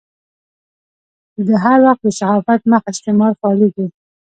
د هر وخت د صحافت مخ استعمار فعالېږي.